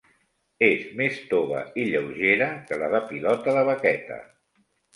És més tova i lleugera que la de pilota de vaqueta.